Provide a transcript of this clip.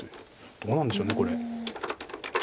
どうなんでしょうこれ。